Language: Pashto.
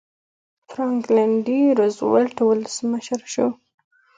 فرانکلن ډي روزولټ ولسمشر شو.